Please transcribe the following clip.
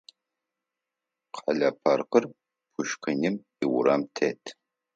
Къэлэ паркыр Пушкиным иурам тет.